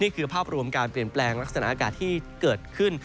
นี่คือภาพรวมการเปลี่ยนแปลงลักษณะอากาศที่เกิดขึ้น